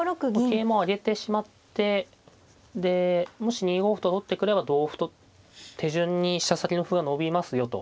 桂馬をあげてしまってでもし２五歩と取ってくれば同歩と手順に飛車先の歩が伸びますよと。